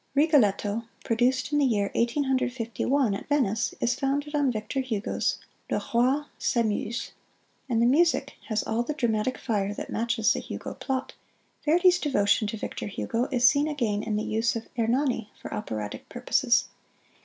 "Rigoletto," produced in the year Eighteen Hundred Fifty one at Venice, is founded on Victor Hugo's "Le Roi s'Amuse"; and the music has all the dramatic fire that matches the Hugo plot. Verdi's devotion to Victor Hugo is seen again in the use of "Hernani" for operatic purposes.